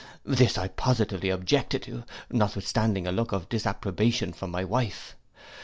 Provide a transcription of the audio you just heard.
This I positively objected to, notwithstanding a look of disapprobation from my wife.